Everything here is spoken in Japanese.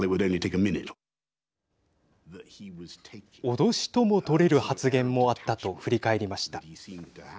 脅しとも取れる発言もあったと振り返りました。